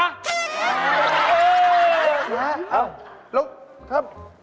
น้าลุง